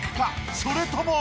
それとも。